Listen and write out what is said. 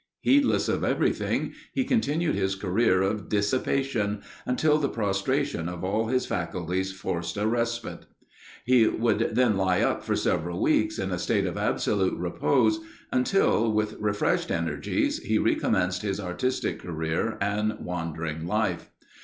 Heedless of everything, he continued his career of dissipation, until the prostration of all his faculties forced a respite. He would then lie up for several weeks, in a state of absolute repose, until, with refreshed energies, he recommenced his artistic career and wandering life.